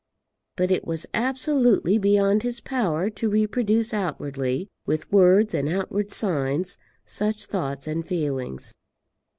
But it was absolutely beyond his power to reproduce outwardly, with words and outward signs, such thoughts and feelings.